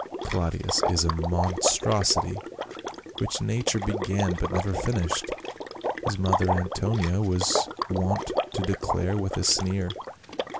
" Claudius is a monstrosity, which nature began but never finished," his mother Antonia was wont to declare with a sneer.